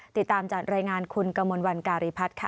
ติดตามจากรายงานคุณกมลวันการีพัฒน์ค่ะ